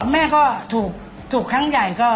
แม่ก็ถูกครั้งใหญ่ก็